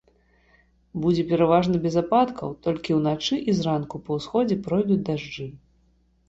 Будзе пераважна без ападкаў, толькі ўначы і зранку па ўсходзе пройдуць дажджы.